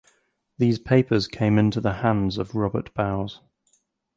These papers came in to the hands of Robert Bowes.